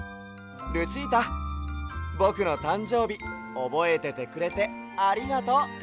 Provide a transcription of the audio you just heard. ルチータぼくのたんじょうびおぼえててくれてありがとう！